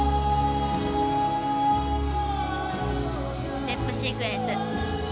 ステップシークエンス。